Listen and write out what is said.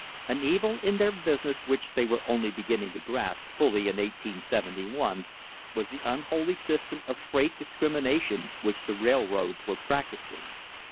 An evil in their business which they were only beginning to grasp fully in 1871 was the unholy system of freight dis crimination which the railroads were practising.